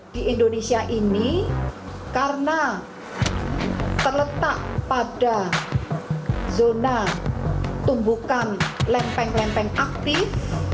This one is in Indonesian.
di indonesia ini karena terletak pada zona tumbukan lempeng lempeng aktif